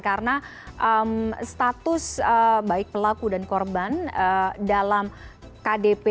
karena status baik pelaku dan korban dalam kdp